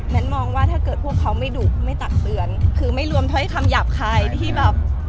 มองว่าถ้าเกิดพวกเขาไม่ดุไม่ตักเตือนคือไม่รวมถ้อยคำหยาบคายที่แบบ